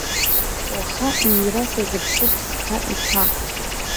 Уаха иира сазыԥшуп сԥа иԥа.